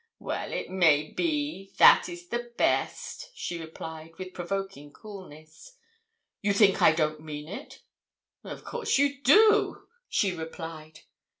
'Well, it may be that is the best,' she replied, with provoking coolness. 'You think I don't mean it?' 'Of course you do,' she replied.